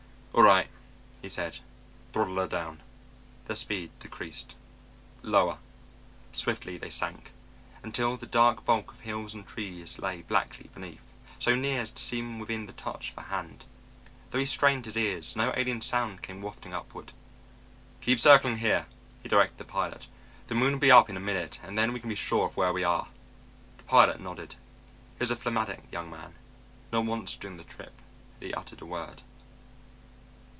"All right," he said, "throttle her down." Their speed decreased. "Lower." Swiftly they sank, until the dark bulk of hills and trees lay blackly beneath; so near as to seem within the touch of a hand. Though he strained his ears, no alien sound came wafting upward. "Keep circling here," he directed the pilot. "The moon'll be up in a minute and then we can be sure of where we are." The pilot nodded. He was a phlegmatic young man. Not once during the trip had he uttered a word.